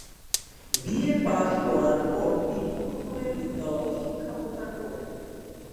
BA pass করার পর তিনি প্রথমে বিদ্যালয়ে শিক্ষকতা করেন।